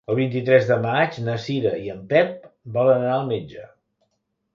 El vint-i-tres de maig na Cira i en Pep volen anar al metge.